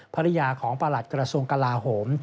ภรรยาของประหลัดกระทรวงกลาโหม